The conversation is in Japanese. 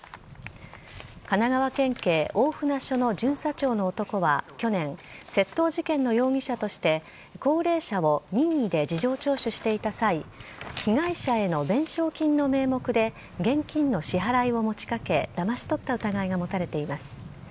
神奈川県警大船署の巡査長の男は去年窃盗事件の容疑者として高齢者を任意で事情聴取していた際被害者への弁償金の名目で現金の支払いを持ちかけだまし取った疑いが持たれています。